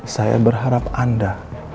saya berharap anda